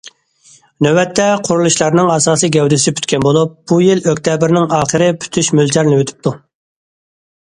نۆۋەتتە، قۇرۇلۇشلارنىڭ ئاساسىي گەۋدىسى پۈتكەن بولۇپ، بۇ يىل ئۆكتەبىرنىڭ ئاخىرى پۈتۈش مۆلچەرلىنىۋېتىپتۇ.